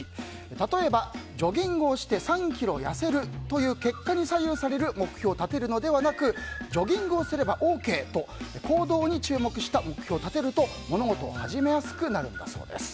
例えば、ジョギングをして３ｋｇ痩せるという結果に左右される目標を立てるのではなくジョギングをすればＯＫ！と行動に注目した目標を立てると物事を始めやすくなるんだそうです。